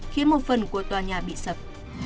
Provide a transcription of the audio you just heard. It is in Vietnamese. khiến một phần của tòa nhà bị sập